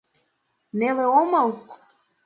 — Неле омыл?